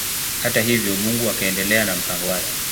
Hata hivyo Mungu akaendelea na mpango wake.